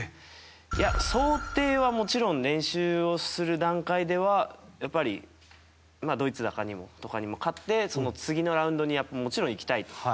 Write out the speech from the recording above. いや、想定はもちろん練習する段階ではドイツとかにも勝って次のラウンドに行きたいと。